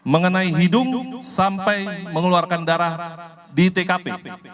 mengenai hidung sampai mengeluarkan darah di tkp